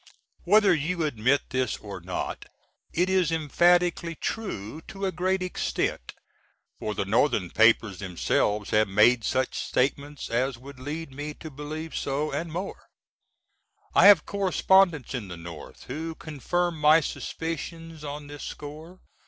_ Whether you admit this or not, it is emphatically true to a great extent, for the Northern papers themselves have made such statements as would lead me to believe so, & more, I have correspondents in the North, who confirm my suspicions on this score.